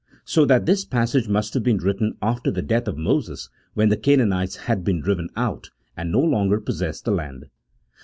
So that this passage must have been written after the death of Moses, when the Canaanites had been driven out, and no longer possessed the land.